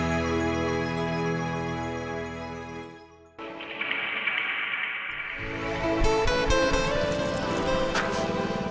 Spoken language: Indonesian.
penyakit adjustable dewsa tahun opposisierel